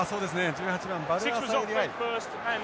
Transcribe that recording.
１８番ヴァルアサエリ愛。